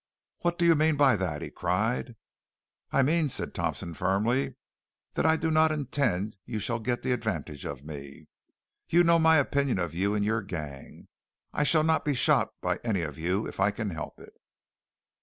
"What do you mean by that?" he cried. "I mean," said Thompson firmly, "that I do not intend you shall get the advantage of me. You know my opinion of you and your gang. I shall not be shot by any of you, if I can help it."